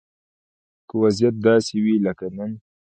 که وضيعت داسې وي لکه نن